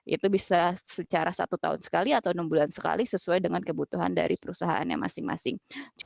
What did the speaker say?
itu bisa secara satu tahun sekali atau enam bulan sekali sesuai dengan kebutuhan dari perusahaannya masing masing